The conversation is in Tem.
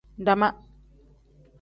Dama.